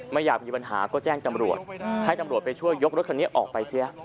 ไม่อยากมีปัญหาก็แจ้งตำรวจให้ตำรวจไปช่วยยกรถคันนี้ออกไปเสีย